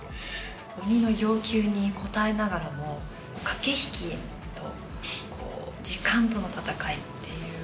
鬼の要求に応えながらも駆け引きと時間との闘いっていう。